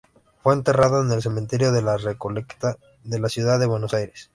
Fue enterrado en el cementerio de la Recoleta de la ciudad de Buenos Aires.